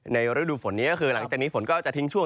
ฤดูฝนนี้ก็คือหลังจากนี้ฝนก็จะทิ้งช่วง